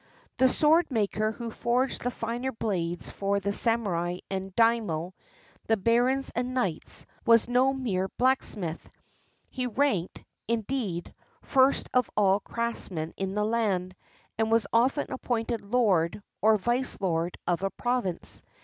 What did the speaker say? The sword maker who forged the finer blades for the samurai and daimio — the barons and knights — was no mere blacksmith. He ranked, indeed, first of all craftsmen in the land, and was often appointed lord or vice lord of a province.